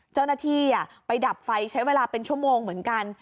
เจ้าหน้าที่ไปดับไฟใช้เวลาเป็นชั่วโมงเหมือนกัน